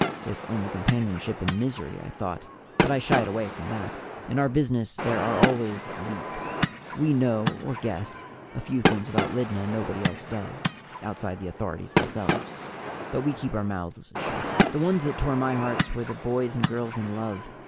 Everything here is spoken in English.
(If only companionship in misery, I thought but I shied away from that. In our business, there are always leaks; we know or guess a few things about Lydna nobody else does, outside the authorities themselves. But we keep our mouths shut.) The ones that tore my hearts were the boys and girls in love.